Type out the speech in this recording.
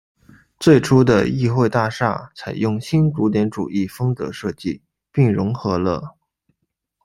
最初的议会大厦采用新古典主义风格设计，并融合了。